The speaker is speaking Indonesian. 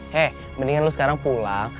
hek mendingan lu sekarang pulang